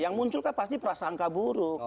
yang muncul kan pasti prasangka buruk